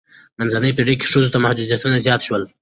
منځنۍ پیړۍ کې ښځو ته محدودیتونه زیات شول.